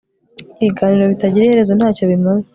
Ibiganiro bitagira iherezo ntacyo bimaze